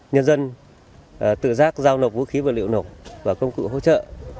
nhân dân tự giác giao nộp vũ khí và liệu nộp và công cụ hỗ trợ